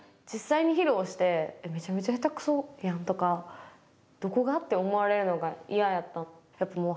実際に披露してめちゃめちゃ下手くそやんとかどこがって思われるのが嫌やった。